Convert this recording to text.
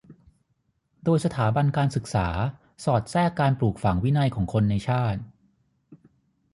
โดยสถาบันการศึกษาสอดแทรกการปลูกฝังวินัยของคนในชาติ